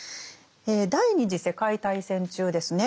第二次世界大戦中ですね